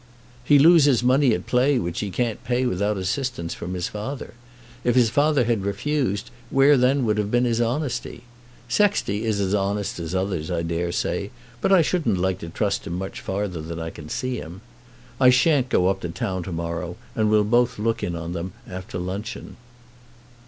"He loses money at play which he can't pay without assistance from his father. If his father had refused, where would then have been his honesty? Sexty is as honest as others, I dare say, but I shouldn't like to trust him much farther than I can see him. I shan't go up to town to morrow, and we'll both look in on them after luncheon."